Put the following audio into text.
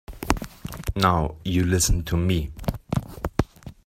Now you listen to me.